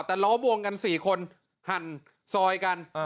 แต่ล้อวงกัน๔คนหั่นซอยกัน